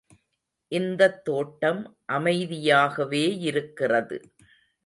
இந்தத் தோட்டம் அமைதியாகவேயிருக்கிறது.